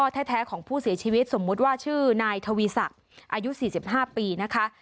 แต่ข้อแท้ของผู้เสียชีวิตสมมติว่าชื่อนายทวีสังอายุ๔๕ปีนะคะ